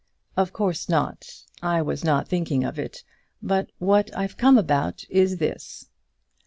"Of course not. I was not thinking of it. But what I've come about is this."